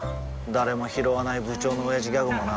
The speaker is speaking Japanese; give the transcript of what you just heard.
誰もひろわない部長のオヤジギャグもな